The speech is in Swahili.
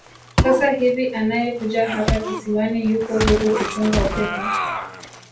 Sasa hivi anayekuja hapa kisiwani yupo huru kupunga upepo